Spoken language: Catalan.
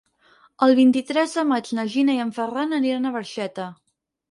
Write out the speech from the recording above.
El vint-i-tres de maig na Gina i en Ferran aniran a Barxeta.